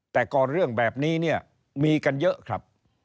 แต่ก่อนเรื่องแบบนี้เนี่ยมีกันเยอะครับ